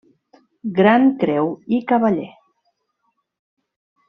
Gran Creu i Cavaller.